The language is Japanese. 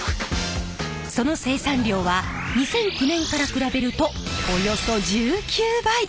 その生産量は２００９年から比べるとおよそ１９倍！